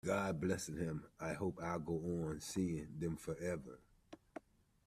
God bless 'em, I hope I'll go on seeing them forever.